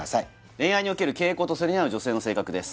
恋愛における傾向とそれに合う女性の性格です